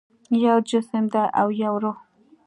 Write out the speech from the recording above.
یو جسم دی او یو روح